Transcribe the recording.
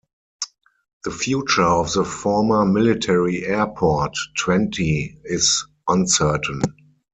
The future of the former military airport, Twente, is uncertain.